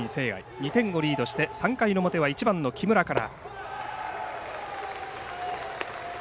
２点をリードして３回の表は１番の木村から。